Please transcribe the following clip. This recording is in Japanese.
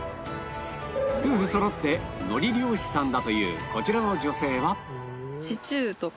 夫婦そろって海苔漁師さんだというこちらの女性は